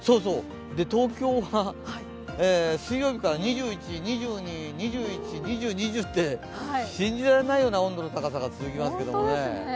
東京は水曜日から２１、２２、２１、２０、２０と信じられないような温度の高さが続きますけどもね。